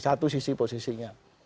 satu sisi posisinya